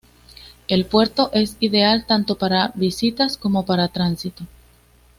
El puerto es ideal tanto para visitas como para tránsito.